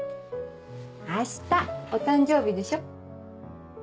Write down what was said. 明日お誕生日でしょ。